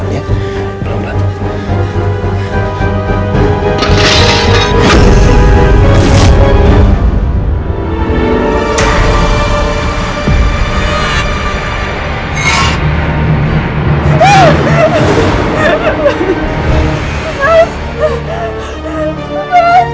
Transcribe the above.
masa aku takut